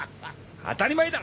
当たり前だ！